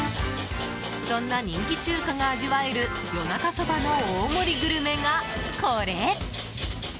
そんな人気中華が味わえるよなかそばの大盛りグルメがこれ。